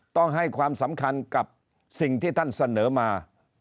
ต้องให้ความสำคัญกับสิ่งที่ท่านเสนอมา